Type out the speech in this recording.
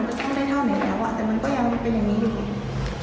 ชอบได้เท่าไหนแล้วอ่ะแต่มันก็ยังเป็นอย่างนี้อยู่